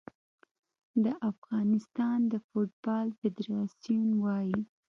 د افغانستان د فوټبال فدراسیون وايي